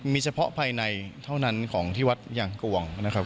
มีเฉพาะภายในเท่านั้นของที่วัดอย่างกวงนะครับ